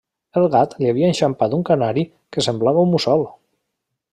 El gat li havia enxampat un canari que semblava un mussol.